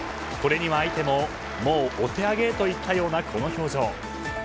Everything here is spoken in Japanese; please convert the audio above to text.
これには相手ももうお手上げたといったようなこの表情。